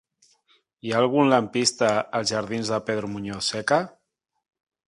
Hi ha algun lampista als jardins de Pedro Muñoz Seca?